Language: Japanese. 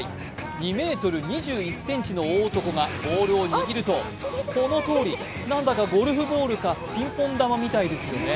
２ｍ２１ｃｍの大男がボールを握ると、このとおり、何だかゴルフボールかピンポン球みたいですね。